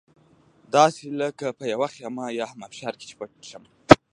داسې لکه په یوه خېمه یا هم ابشار کې چې پټ شم.